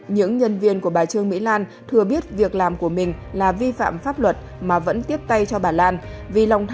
những nhân viên của bà trương mỹ lan thừa biết việc làm của mình là vi phạm pháp luật mà vẫn tiếp tay cho bà lan